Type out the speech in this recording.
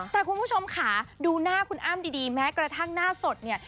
แต่คุณผู้ชมค่ะดูหน้าคุณอ้ำดีแม้กระทั่งหน้าสดเนี่ย